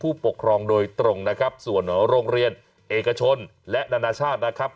ผู้ปกครองโดยตรงนะครับส่วนโรงเรียนเอกชนและนานาชาตินะครับ